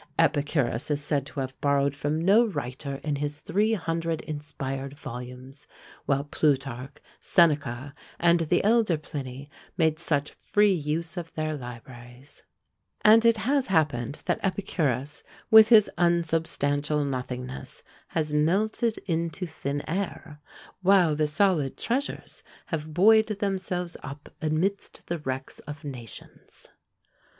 Epicurus is said to have borrowed from no writer in his three hundred inspired volumes, while Plutarch, Seneca, and the elder Pliny made such free use of their libraries; and it has happened that Epicurus, with his unsubstantial nothingness, has "melted into thin air," while the solid treasures have buoyed themselves up amidst the wrecks of nations.